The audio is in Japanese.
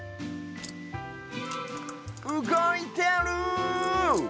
うごいてる！